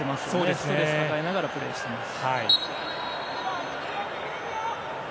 ストレスを抱えながらプレーしています。